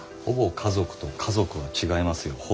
ほぼ家族と家族は違いますよ。